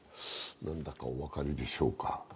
何だかお分かりでしょうか？